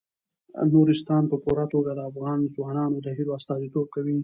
نورستان په پوره توګه د افغان ځوانانو د هیلو استازیتوب کوي.